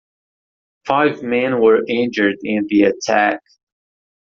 Five men were injured in the attack.